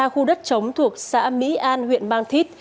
để kiểm tra khu đất chống thuộc xã mỹ an huyện bang thít